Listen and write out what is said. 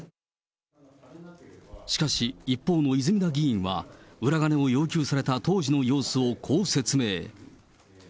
しかし、一方の泉田議員は裏金を要求された当時の様子をこう説明。